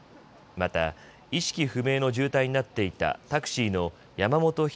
また意識不明の重体になっていたタクシーの山本斉